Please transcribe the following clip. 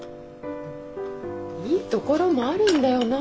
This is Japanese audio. いいところもあるんだよな。